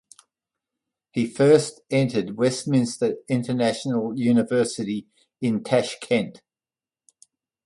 He first entered Westminster International University in Tashkent.